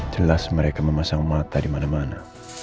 jelas mereka memasang mata dimana mana